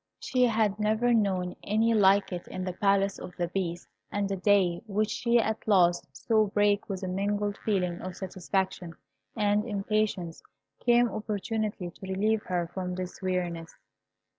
She had never known any like it in the Palace of the Beast, and the day, which she at last saw break with a mingled feeling of satisfaction and impatience, came opportunely to relieve her from this weariness.